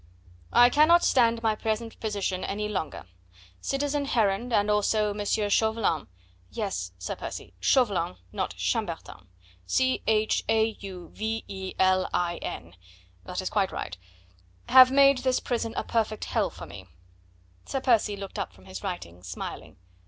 "'I cannot stand my present position any longer. Citizen Heron, and also M. Chauvelin ' Yes, Sir Percy, Chauvelin, not Chambertin ... C, H, A, U, V, E, L, I, N.... That is quite right 'have made this prison a perfect hell for me.'" Sir Percy looked up from his writing, smiling.